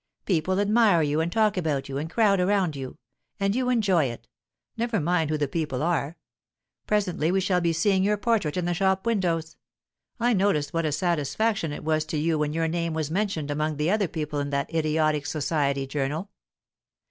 People admire you and talk about you and crowd round you, and you enjoy it never mind who the people are. Presently we shall be seeing your portrait in the shop windows. I noticed what a satisfaction it was to you when your name was mentioned among the other people in that idiotic society journal."